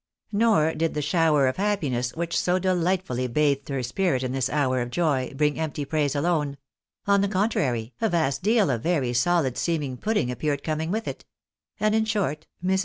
Nor did the shower of happiness which so delightfully bathed her spirit in this hour of joy, bring empty praise alone ; on the contrary, a vast deal of very solid seeming pudding appeared coming with it ; and in short, Mrs. THE author's vision.